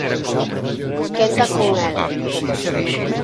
Quenda con el.